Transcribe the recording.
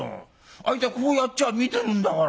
あいつはこうやっちゃ見てるんだから。